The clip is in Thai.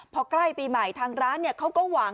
เพราะใกล้ปีใหม่ทางร้านเนี่ยเขาก็หวัง